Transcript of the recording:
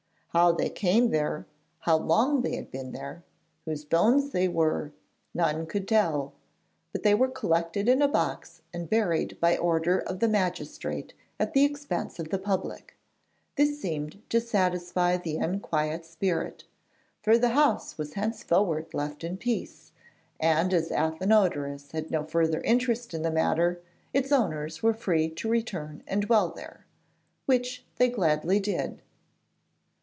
How they came there, how long they had been there, whose bones they were, none could tell; but they were collected in a box and buried by order of the magistrate, at the expense of the public. This seemed to satisfy the unquiet spirit, for the house was henceforward left in peace, and as Athenodorus had no further interest in the matter its owners were free to return and dwell there, which they gladly did.